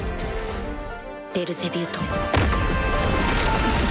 ベルゼビュート。